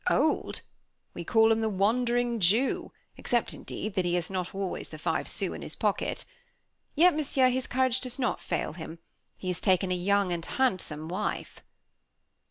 "Old? We call him the 'Wandering Jew,' except, indeed, that he has not always the five sous in his pocket. Yet, Monsieur, his courage does not fail him. He has taken a young and handsome wife."